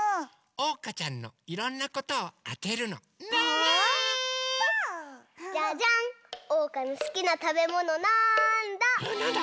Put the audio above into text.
おうかのすきなたべものなんだ？